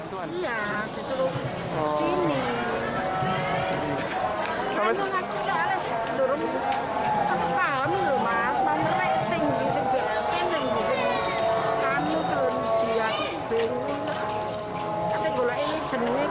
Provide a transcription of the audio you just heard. kami lho mas pemeriksaan di jln yang di sini